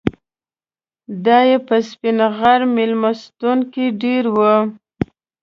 دای په سپین غر میلمستون کې دېره و.